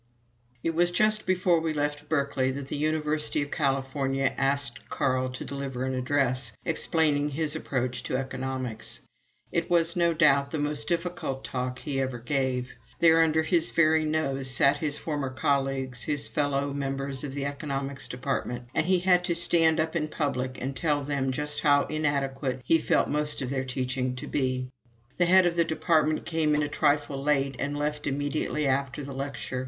It was just before we left Berkeley that the University of California asked Carl to deliver an address, explaining his approach to economics. It was, no doubt, the most difficult talk he ever gave. There under his very nose sat his former colleagues, his fellow members in the Economics Department, and he had to stand up in public and tell them just how inadequate he felt most of their teaching to be. The head of the Department came in a trifle late and left immediately after the lecture.